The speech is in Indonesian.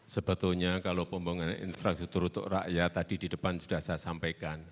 sebetulnya kalau pembangunan infrastruktur untuk rakyat tadi di depan sudah saya sampaikan